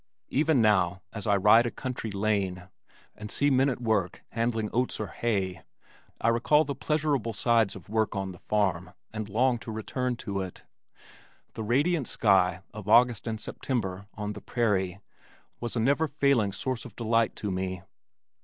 Even now, as I ride a country lane, and see men at work handling oats or hay, I recall the pleasurable sides of work on the farm and long to return to it. The radiant sky of August and September on the prairie was a never failing source of delight to me.